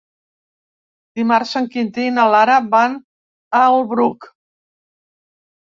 Dimarts en Quintí i na Lara van al Bruc.